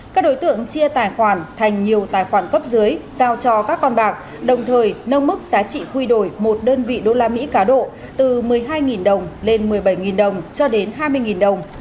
các đối tượng chia tài khoản thành nhiều tài khoản cấp dưới giao cho các con bạc đồng thời nâng mức giá trị quy đổi một đơn vị đô la mỹ cá độ từ một mươi hai đồng lên một mươi bảy đồng cho đến hai mươi đồng